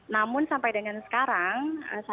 namun sampai dengan sekarang saya belum saya belum apa kata